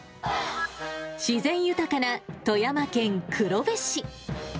自然豊かな富山県黒部市。